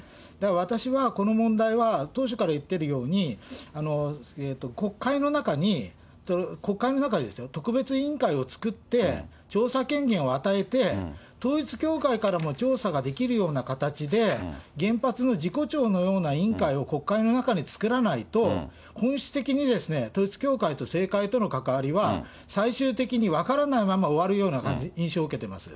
だから私はこの問題は、当初から言っているように、国会の中に特別委員会を作って、調査権限を与えて、統一教会からも調査ができるような形で、原発の事故調のような委員会を国会の中に作らないと、本質的に統一教会と政界との関わりは、最終的に分からないまま終わるような感じ、印象を受けています。